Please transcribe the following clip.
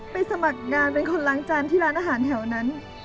สมัครงานเป็นคนล้างจานที่ร้านอาหารแถวนั้น